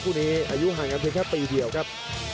คู่นี้อายุห่างกันเพียงแค่ปีเดียวครับ